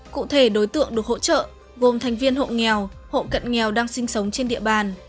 cụ thể đối tượng được hỗ trợ gồm thành viên hộ nghèo hộ cận nghèo đang sinh sống trên địa bàn